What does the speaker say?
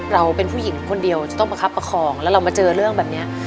เราเป็นผู้หญิงคนเดียวจะต้องประคับประคองแล้วเรามาเจอเรื่องแบบนี้